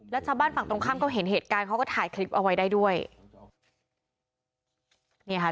แล้วชาวบ้านฝั่งตรงข้ามก็เห็นเหตุการณ์เขาก็ถ่ายคลิปเอาไว้ได้ด้วยนี่ค่ะ